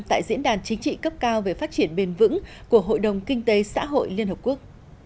tại diễn đàn chính trị cấp cao về phát triển bền vững của hội đồng kinh tế xã hội liên hợp quốc